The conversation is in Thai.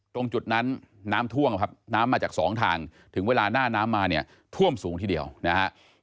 ตรงจุดนั้นน้ำท่วมครับน้ำมาจากสองทางถึงเวลาหน้าน้ำมาเนี่ยท่วมสูงทีเดียวนะฮะ